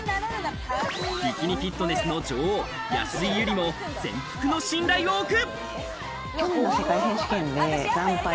ビキニフィットネスの女王・安井友梨も全幅の信頼を置く。